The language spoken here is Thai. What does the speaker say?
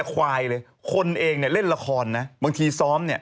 คนเองเล่นละครนะบางทีซ้อม